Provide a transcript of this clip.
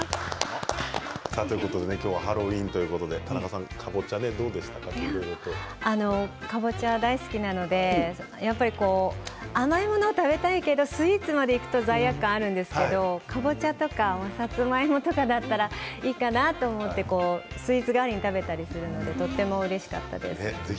今日はハロウィーンということで田中さんかぼちゃ大好きなので甘いものが食べたいけれどもスイーツまでいくと罪悪感があるんですけど、かぼちゃとかさつまいもとかだったらいいかなと思ってスイーツ代わりに食べたりするのでとってもうれしかったです。